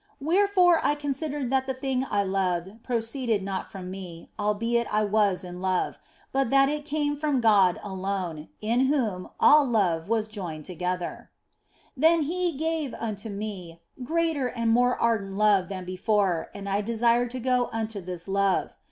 Wherefore I considered that the thing I loved proceeded not from me, albeit I was in love, but that it came from God alone, in whom all love was joined together. Then gave He unto me greater and more ardent love than before, and I desired to go unto this love.